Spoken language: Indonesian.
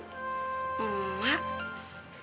kok lu yang disalahin ya